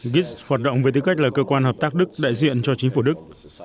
gis hoạt động với tư cách là cơ quan hợp tác đức đại diện cho chính phủ đức